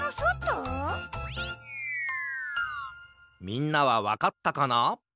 みんなはわかったかな？